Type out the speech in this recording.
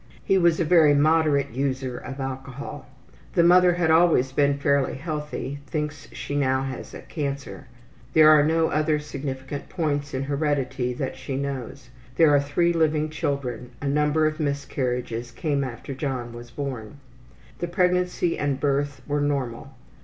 He was a very moderate user of alcohol. The mother has always been fairly healthy. Thinks she now has a cancer. There are no other significant points in heredity that she knows. There are three living children; a number of miscarriages came after John was born. The pregnancy and birth were, normal.